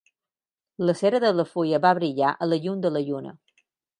L'acer de la fulla va brillar a la llum de la lluna.